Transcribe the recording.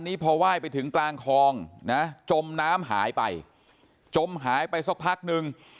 พอไหว้ไปถึงกลางคลองนะจมน้ำหายไปจมหายไปสักพักนึง